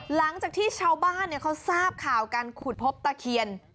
หลังจากที่ชาวบ้านเขาทราบข่าวการขุดพบตะเคียน